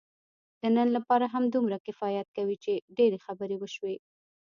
د نن لپاره همدومره کفایت کوي، چې ډېرې خبرې وشوې.